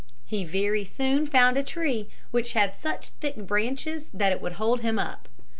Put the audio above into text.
He very soon found a tree which had such thick branches that it would hold him up.